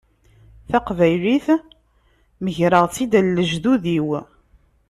Taqbaylit megreɣ-tt-id ɣer lejdud-iw.